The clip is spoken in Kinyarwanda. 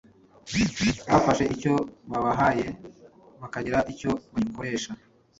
bafashe icyo babahaye bakagira icyo bagikoresha.